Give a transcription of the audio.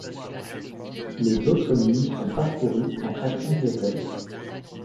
Les autres lignes sont parcourues en traction diesel.